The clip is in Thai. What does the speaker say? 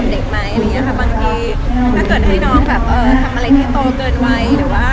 เหมาะเหมาะความสมกับเด็กต้อเกิดให้หญิงทำอะไรให้ที่โตเกินไว้